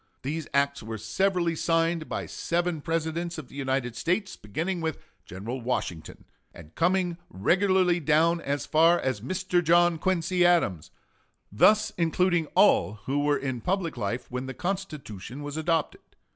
These acts were severally signed by seven Presidents of the United States, beginning with General Washington, and coming regularly down as far as Mr. John Quincy Adams, thus including all who were in public life when the Constitution was adopted.